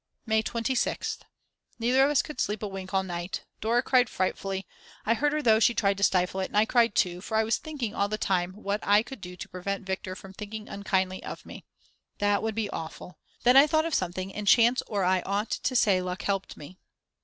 May 26th. Neither of us could sleep a wink all night; Dora cried frightfully, I heard her though she tried to stifle it, and I cried too, for I was thinking all the time what I could do to prevent Viktor from thinking unkindly of me. That would be awful. Then I thought of something, and chance or I ought to say luck helped me.